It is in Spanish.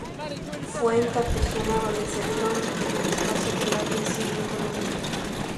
Fue en Cartagena donde se dieron los primeros pasos de la aviación en Colombia.